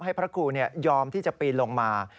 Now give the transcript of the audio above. พระครูยอมที่จะปีนลงมา